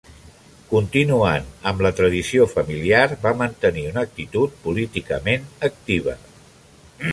Continuant amb la tradició familiar, va mantenir una actitud políticament activa.